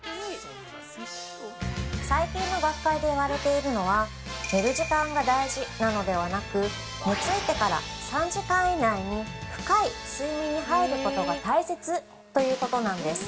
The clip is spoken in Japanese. ◆最近の学会で言われているのは寝る時間が大事なのではなく、寝ついてから３時間以内に深い睡眠に入ることが大切ということなんです。